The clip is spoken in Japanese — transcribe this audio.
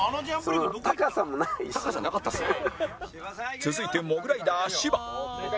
続いてモグライダー芝